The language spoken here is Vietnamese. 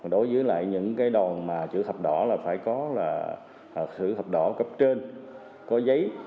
đối với những đòn chữ thập đỏ phải có chữ thập đỏ cấp trên có giấy